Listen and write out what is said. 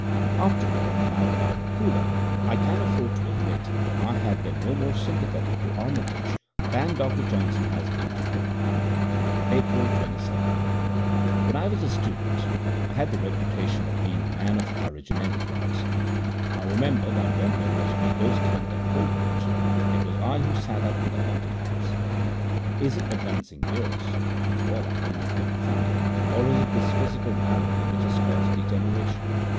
After all, now that I am cooler, I can afford to admit that I have been no more sympathetic to Armitage than Dr. Johnson has been to me. < 11 > April 27. When I was a student I had the reputation of being a man of courage and enterprise. I remember that when there was a ghost hunt at Coltbridge it was I who sat up in the haunted house. Is it advancing years (after all, I am only thirty five), or is it this physical malady which has caused degeneration?